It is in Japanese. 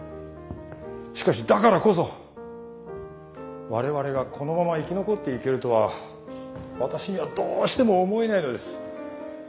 しかしだからこそ我々がこのまま生き残っていけるとは私にはどうしても思えないのです。